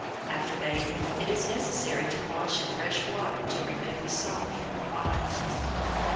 After bathing it is necessary to wash in fresh water to remove the salt from the body.